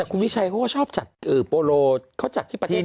แต่คุณวิชัยเค้าก็ชอบจัดโปโลเค้าจัดตรงที่ประเทศไทยก็บ่อย